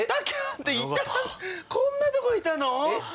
こんなとこいたの？